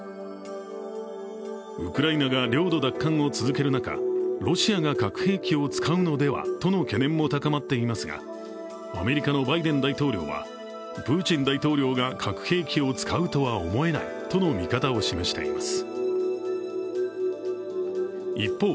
ウクライナが領土奪還を続ける中、ロシアが核兵器を使うのではとの懸念も高まっていますが、アメリカのバイデン大統領はプーチン大統領が核兵器を使うとは思えないとの見方を示しています。